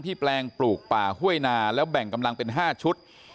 แปลงปลูกป่าห้วยนาแล้วแบ่งกำลังเป็น๕ชุด